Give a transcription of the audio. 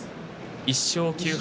１勝９敗